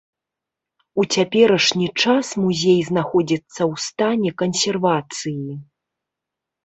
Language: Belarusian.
У цяперашні час музей знаходзіцца ў стане кансервацыі.